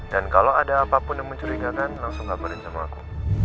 dan kalau ada apapun yang mencurigakan langsung kaburin sama aku